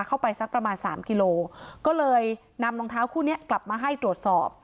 เข้าไปสักประมาณ๓กิโลกรัมก็เลยนำรองเท้าคู่นี้กลับมาให้ตรวจสอบ